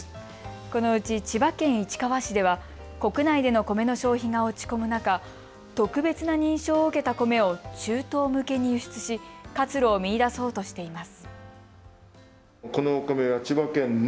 このうち千葉県市川市では国内での米の消費が落ち込む中、特別な認証を受けた米を中東向けに輸出し活路を見いだそうとしています。